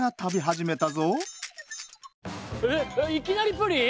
えっえっいきなりプリン！？